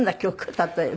例えば。